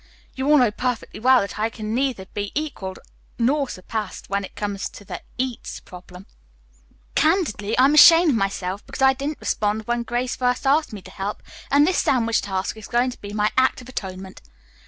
You all know perfectly well that I can neither be equalled nor surpassed when it comes to the 'eats' problem. Candidly, I'm ashamed of myself because I didn't respond when Grace first asked me to help, and this sandwich task is going to be my act of atonement.